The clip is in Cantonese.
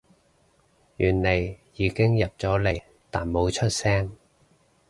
原來已經入咗嚟但冇出聲